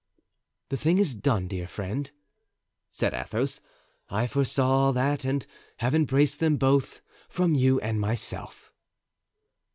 "The thing is done, dear friend," said Athos; "I foresaw that and have embraced them both from you and myself."